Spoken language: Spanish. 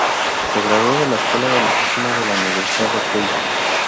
Se graduó de la Escuela de Medicina de la Universidad de Keio.